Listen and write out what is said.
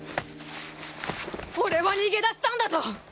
俺は逃げ出したんだぞ！